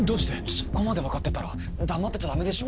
そこまで分かってたら黙ってちゃダメでしょ。